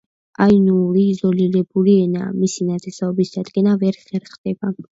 აინუური იზოლირებული ენაა; მისი ნათესაობის დადგენა ვერ ხერხდება.